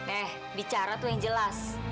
eh bicara tuh yang jelas